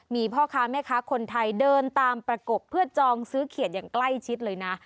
มีพ่อค้าแม่ค้าคนไทยเดินตามประกบเพื่อจองซื้อเขียดอย่างใกล้ชิดเลยนะ